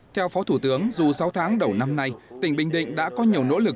theo phó thủ tướng dù sáu tháng đầu năm nay tỉnh bình định đã có nhiều nỗ lực